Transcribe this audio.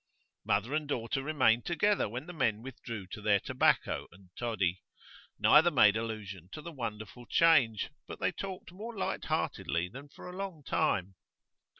Mother and daughter remained together when the men withdrew to their tobacco and toddy. Neither made allusion to the wonderful change, but they talked more light heartedly than for a long time.